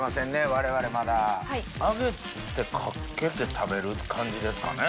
我々まだ。揚げてかけて食べる感じですかね？